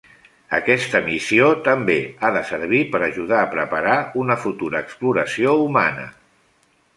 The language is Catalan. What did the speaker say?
Aquesta missió també ha de servir per ajudar a preparar una futura exploració humana.